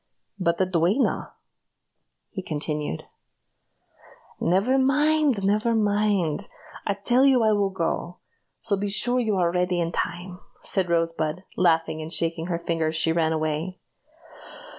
"But the duenna?" he continued. "Never mind! never mind! I tell you I will go! so be sure you are ready in time," said Rosebud, laughing, and shaking her finger as she ran away.